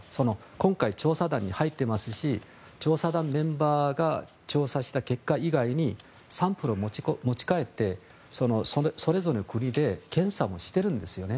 今回、調査団に入っていますし調査団メンバーが調査した結果以外にサンプルを持ち帰ってそれぞれの国で検査もしてるんですよね。